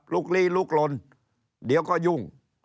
ลีลุกลนเดี๋ยวก็ยุ่ง